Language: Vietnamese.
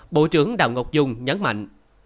bộ trưởng đào ngọc dung nhấn mạnh